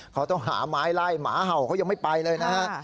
เขาต้องหาไม้ไล่หมาเห่าเขายังไม่ไปเลยนะฮะ